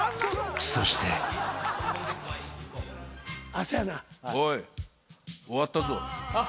［そして］おい終わったぞ。